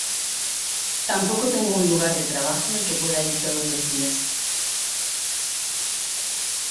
Tampoco tengo un lugar de trabajo al que pueda ir todos los días.